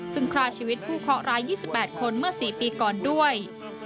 ซึ่งฆ่าชีวิตผู้เคาะร้าย๒๘คนเมื่อ๔ปีก่อนด้วย